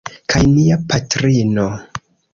Kaj nia patrino!